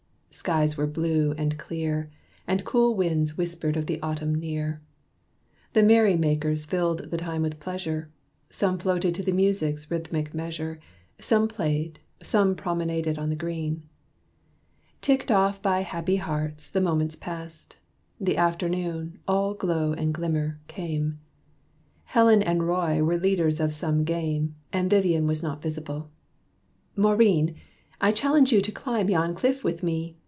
Skies were blue and clear, And cool winds whispered of the Autumn near. The merry makers filled the time with pleasure: Some floated to the music's rhythmic measure, Some played, some promenaded on the green. Ticked off by happy hearts, the moments passed. The afternoon, all glow and glimmer, came. Helen and Roy were leaders of some game, And Vivian was not visible. "Maurine, I challenge you to climb yon cliff with me!